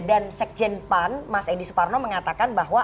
dan sekjen pan mas edi suparno mengatakan bahwa